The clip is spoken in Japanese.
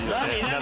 何？